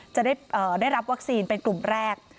จะได้รับวัคซีนเป็นกลุ่มแรก